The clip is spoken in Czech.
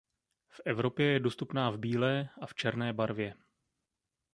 V Evropě je dostupná v bílé a v černé barvě.